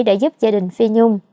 đã giúp gia đình phi nhung